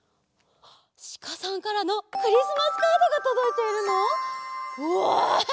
シカさんからのクリスマスカードがとどいているの？わ！